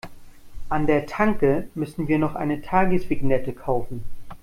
An der Tanke müssen wir noch eine Tagesvignette kaufen.